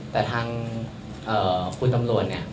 แต่ทางคุณตำรวจเนี่ย